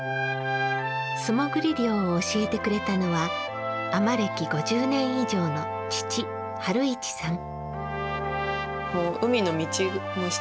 素潜り漁を教えてくれたのは海士歴５０年以上の父・晴市さん。